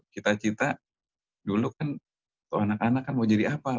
kita cita dulu kan anak anak mau jadi apa